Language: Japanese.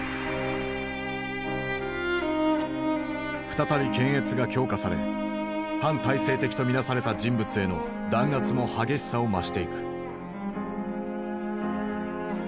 再び検閲が強化され反体制的と見なされた人物への弾圧も激しさを増していく。